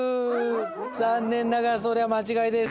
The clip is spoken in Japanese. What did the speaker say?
残念ながらそれは間違いです。